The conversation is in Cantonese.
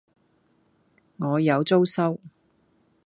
我有租收